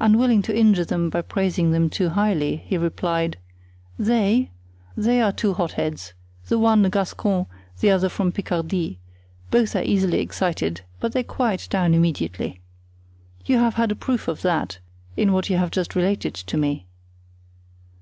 Unwilling to injure them by praising them too highly, he replied: "They? They are two hotheads—the one a Gascon, the other from Picardy; both are easily excited, but they quiet down immediately. You have had a proof of that in what you have just related to me."